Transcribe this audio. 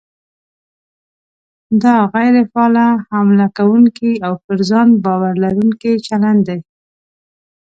دا غیر فعال، حمله کوونکی او پر ځان باور لرونکی چلند دی.